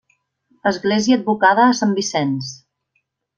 Església advocada a Sant Vicenç.